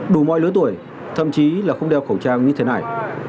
đủ mọi lứa tuổi thậm chí là không đeo khẩu trang như thế này